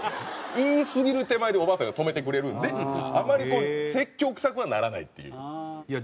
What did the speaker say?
言いすぎる手前でおばあさんが止めてくれるんであまりこう説教臭くはならないっていう。